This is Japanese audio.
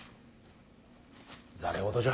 ざれ言じゃ。